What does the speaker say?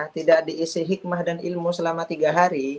tidak diisi hikmah dan ilmu selama tiga hari